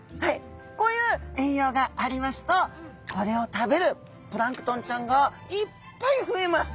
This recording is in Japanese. こういう栄養がありますとこれを食べるプランクトンちゃんがいっぱい増えます。